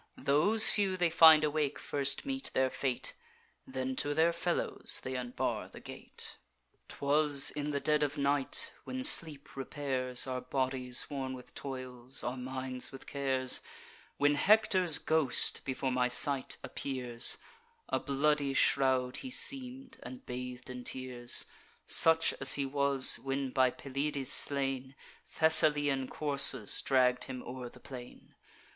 Those few they find awake first meet their fate; Then to their fellows they unbar the gate. "'Twas in the dead of night, when sleep repairs Our bodies worn with toils, our minds with cares, When Hector's ghost before my sight appears: A bloody shroud he seem'd, and bath'd in tears; Such as he was, when, by Pelides slain, Thessalian coursers dragg'd him o'er the plain.